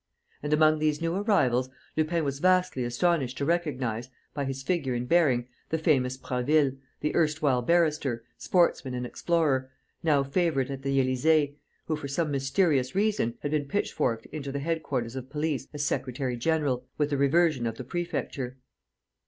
And, among these new arrivals, Lupin was vastly astonished to recognize, by his figure and bearing, the famous Prasville, the erstwhile barrister, sportsman and explorer, now favourite at the Élysée, who, for some mysterious reason, had been pitchforked into the headquarters of police as secretary general, with the reversion of the prefecture.